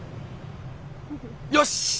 よし！